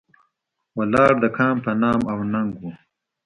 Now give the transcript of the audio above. ولاړ د کام په نام او ننګ و.